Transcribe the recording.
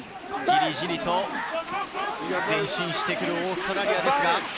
じりじり前進してくるオーストラリアです。